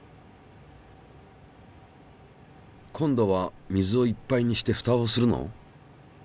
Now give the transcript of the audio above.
今度は水をいっぱいにしてふたをするの？